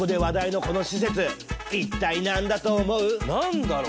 何だろう？